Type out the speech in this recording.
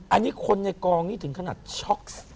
อันนี้คนในกองนี้ถึงขนาดช็อก